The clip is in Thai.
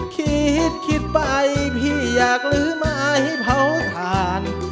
คิดคิดไปพี่อยากลื้อไม้เผาผ่าน